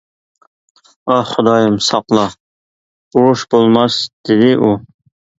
-ئاھ، خۇدايىم ساقلا، ئۇرۇش بولماس-دېدى ئۇ.